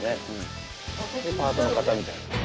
でパートの方みたいな。